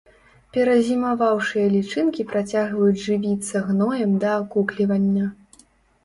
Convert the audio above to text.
Перазімаваўшыя лічынкі працягваюць жывіцца гноем да акуклівання.